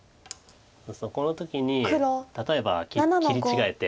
この時に例えば切り違えて。